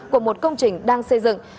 của một công trình đang xây dựng